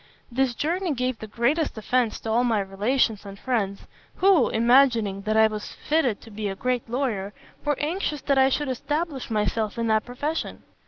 This journey gave the greatest offence to all my relations and friends, who, imagining that I was fitted to be a great lawyer, were anxious that I should establish myself in that profession.